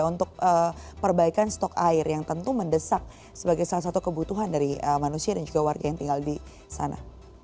untuk perbaikan stok air yang tentu mendesak sebagai salah satu kebutuhan dari manusia dan juga warga yang tinggal di sana